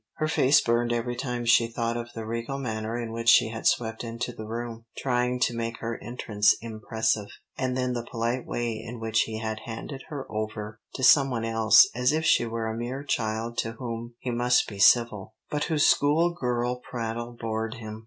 Her face burned every time she thought of the regal manner in which she had swept into the room, trying to make her entrance impressive, and then the polite way in which he had handed her over to some one else as if she were a mere child to whom he must be civil, but whose school girl prattle bored him.